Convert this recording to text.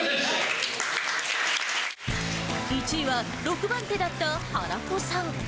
第１位、１位は６番手だった原子さん。